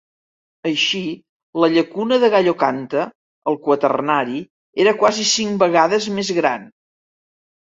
Així, la Llacuna de Gallocanta al quaternari era quasi cinc vegades més gran.